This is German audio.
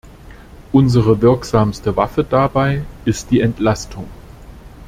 Unsere wirksamste Waffe dabei ist die Entlastung.